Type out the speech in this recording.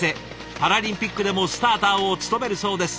パラリンピックでもスターターを務めるそうです。